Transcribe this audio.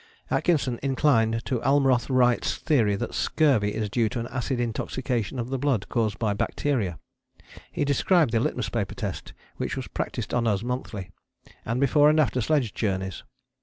Atkinson inclined to Almroth Wright's theory that scurvy is due to an acid intoxication of the blood caused by bacteria. He described the litmus paper test which was practised on us monthly, and before and after sledge journeys.